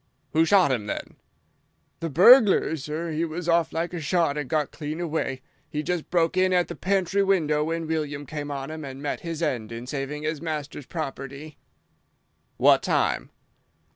"Who shot him, then?" "The burglar, sir. He was off like a shot and got clean away. He'd just broke in at the pantry window when William came on him and met his end in saving his master's property." "What time?"